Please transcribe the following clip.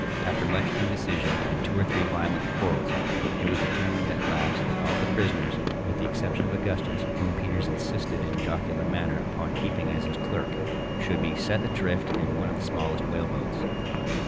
After much indecision and two or three violent quarrels, it was determined at last that all the prisoners (with the exception of Augustus, whom Peters insisted in a jocular manner upon keeping as his clerk) should be set adrift in one of the smallest whaleboats.